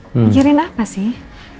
pikirin apa sih